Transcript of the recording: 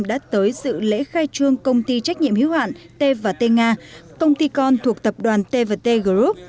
đã tới sự lễ khai trương công ty trách nhiệm hiếu hạn t t nga công ty con thuộc tập đoàn t t group